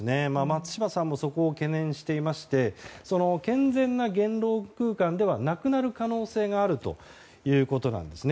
松島さんもそこを懸念していまして健全な言論空間ではなくなる可能性があるということです。